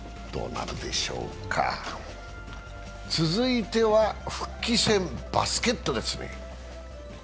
続いては復帰戦、バスケットですね。